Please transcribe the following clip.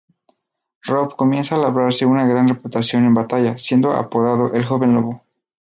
Robb comienza a labrarse una gran reputación en batalla, siendo apodado "El Joven Lobo".